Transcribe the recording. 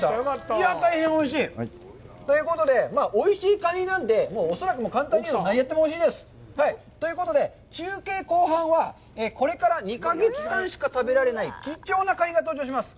いやぁ、大変おいしい！ということで、おいしいカニなんで、恐らく何やってもおいしいです。ということで、中継後半は、これから２か月間しか食べられない貴重なカニが登場します。